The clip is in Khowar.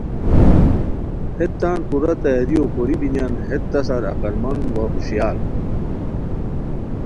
ہیت تان پورا تیاریو کوری بینیان ہیت تہ سار عقلمند وا ہوشیار